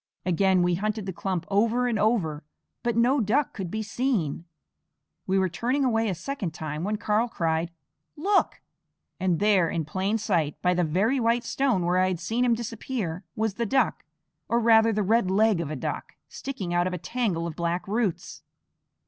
Again we hunted the clump over and over, but no duck could be seen. We were turning away a second time when Karl cried: "Look!" and there, in plain sight, by the very white stone where I had seen him disappear, was the duck, or rather the red leg of a duck, sticking out of a tangle of black roots.